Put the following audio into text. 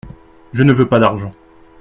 Je ne veux pas d'argent.